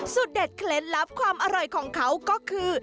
เด็ดเคล็ดลับความอร่อยของเขาก็คือ